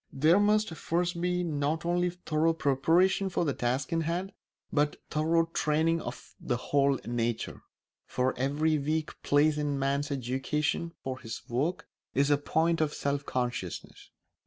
There must first be not only thorough preparation for the task in hand but thorough training of the whole nature; for every weak place in a man's education for his work is a point of self consciousness.